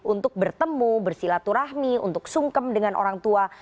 untuk bertemu bersilaturahmi untuk sungkem dengan orang tua